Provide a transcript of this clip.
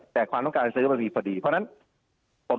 แต่ความต้องการซื้อปกติพอดีนะคุณพระครับ